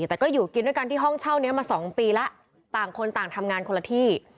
แต่ก็อยู่กินด้วยกันที่ห้องเช่านี้มา๒ปีแล้วต่างคนต่างทำงานคนละที่